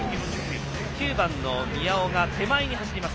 ９番の宮尾が手前に走ります。